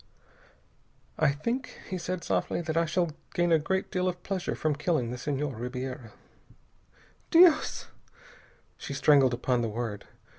"I think," he said softly, "that I shall gain a great deal of pleasure from killing the Senhor Ribiera." "Dios " She strangled upon the word.